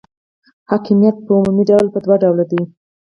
حاکمیت په عمومي ډول په دوه ډوله دی.